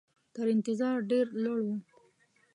تر انتظار ډېر لوړ وو.